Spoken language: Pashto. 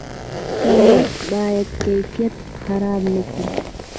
کمیت باید کیفیت خراب نکړي؟